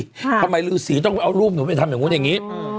ทำไมฤษีต้องเอารูปหนูไปทำอย่างนู้นอย่างนี้